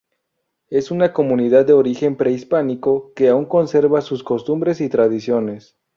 Es una comunidad de origen prehispánico que aún conserva sus costumbres y tradiciones.